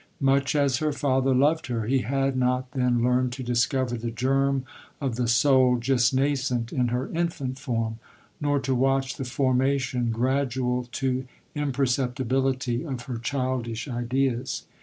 Much as her father loved her, he had net then learned to discover the germ of the soul just nascent in her infant form ; nor to watch the formation, gradual to impercepti bility, of her childish ideas.